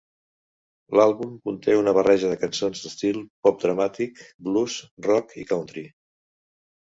L'àlbum conté una barreja de cançons d'estil pop dramàtic, blues, rock i country.